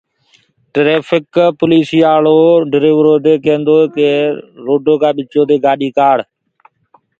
ٽريڦڪ پوليٚسيآݪو ڊليورو دي ڪينٚدوئيٚ رستآ ٻچو دي گآڏي ڪآڙ